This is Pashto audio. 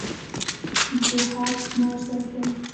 جهاد نه ورسره کوي.